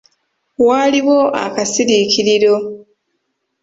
Waaliwo akasasirikiriro.